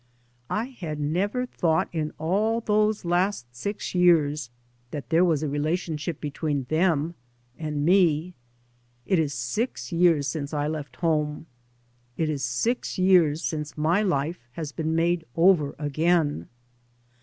I had never thought in all those last six years that there was a relation ship between them and me. It is six years since I left home ; it is six years since my life has been made over again.